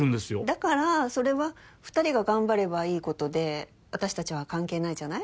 だからそれは２人が頑張ればいいことであたしたちは関係ないじゃない？